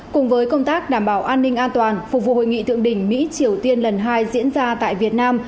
cùng với công tác đảm bảo an ninh an toàn phục vụ hội nghị thượng đỉnh mỹ triều tiên lần hai diễn ra tại việt nam